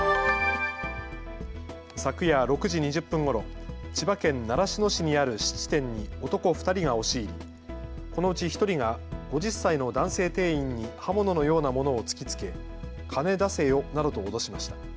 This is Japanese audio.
昨夜６時２０分ごろ、千葉県習志野市にある質店に男２人が押し入りこのうち１人が５０歳の男性店員に刃物のようなものを突きつけ金出せよなどと脅しました。